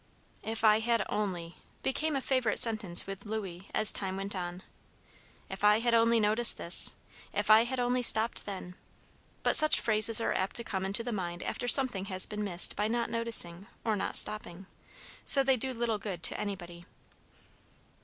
"If I had only," became a favorite sentence with Louis, as time went on. "If I had only noticed this." "If I had only stopped then." But such phrases are apt to come into the mind after something has been missed by not noticing or not stopping, so they do little good to anybody.